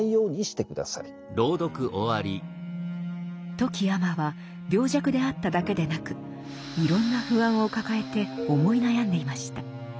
富木尼は病弱であっただけでなくいろんな不安を抱えて思い悩んでいました。